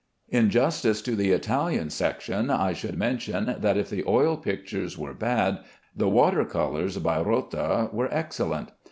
In justice to the Italian section I should mention that if the oil pictures were bad, the water colors by Rota were excellent.